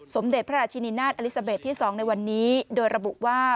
สมเด็จพระราชินินาศอลิซาเบสที่๒ในวันนี้โดยระบุว่า